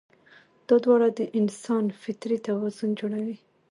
دا دواړه د انسان فطري توازن جوړوي.